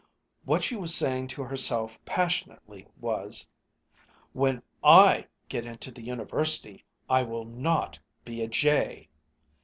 What she was saying to herself passionately was, "When I get into the University, I will not be a jay!"